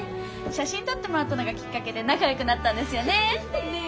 写真撮ってもらったのがきっかけで仲よくなったんですよね？ね。